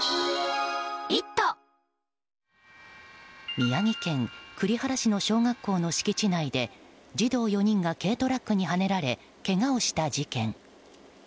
宮城県栗原市の小学校の敷地内で児童４人が軽トラックにはねられけがをした事件。